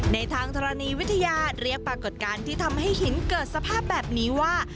ในทางธรณีวิทยาเรียกปรากฏการณ์ที่ทำให้หินเกิดสภาพแบบนี้ว่า